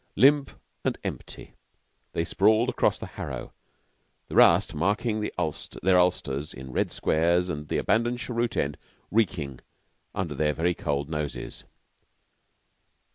Limp and empty, they sprawled across the harrow, the rust marking their ulsters in red squares and the abandoned cheroot end reeking under their very cold noses.